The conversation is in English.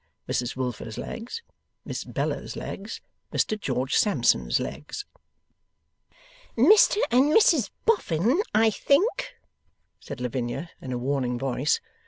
Mrs Wilfer's legs, Miss Bella's legs, Mr George Sampson's legs. 'Mr and Mrs Boffin, I think?' said Lavinia, in a warning voice.